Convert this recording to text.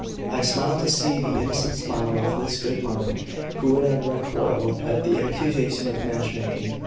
I smiled to see the innocent smile of this good mother, who would have recoiled at the accusation of match making.